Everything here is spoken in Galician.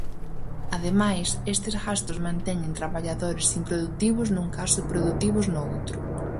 Ademais, estes gastos manteñen traballadores improdutivos nun caso e produtivos no outro.